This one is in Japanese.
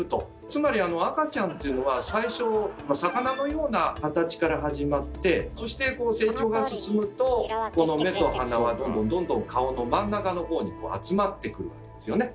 つまり赤ちゃんっていうのは最初魚のような形から始まってそして成長が進むとこの目と鼻はどんどん顔の真ん中の方に集まってくるわけですよね。